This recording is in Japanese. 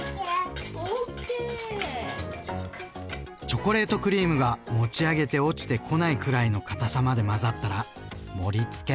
チョコレートクリームが持ち上げて落ちてこないくらいのかたさまで混ざったら盛り付け。